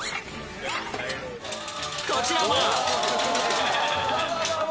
［こちらも］